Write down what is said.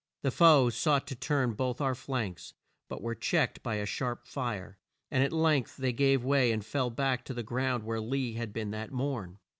The foe sought to turn both our flanks, but were checked by a sharp fire, and at length they gave way and fell back to the ground where Lee had been that morn.